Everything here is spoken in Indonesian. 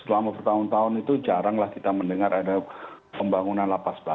selama bertahun tahun itu jaranglah kita mendengar ada pembangunan lapas batu